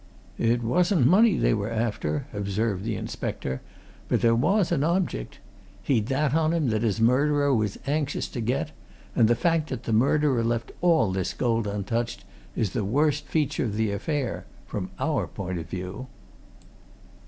"It wasn't money they were after," observed the inspector, "but there was an object. He'd that on him that his murderer was anxious to get. And the fact that the murderer left all this gold untouched is the worst feature of the affair from our point of view."